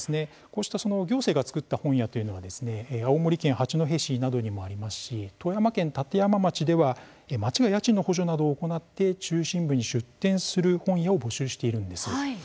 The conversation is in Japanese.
こうした行政が作った本屋というのは青森県八戸市などにもありますし富山県立山町では町が家賃の補助などを行って中心部に出店する本屋を募集しているんです。